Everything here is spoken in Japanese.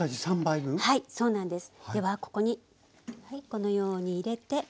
ではここにこのように入れて。